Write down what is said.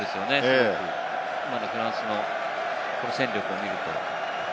あくまでフランスの戦力を見ると。